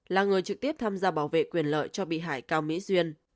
là người trực tiếp tham gia bảo vệ quyền lợi cho bị hại cao mỹ duyên